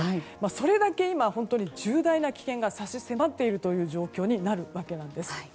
それだけ今、本当に重大な危険が差し迫っているというような状況になるわけです。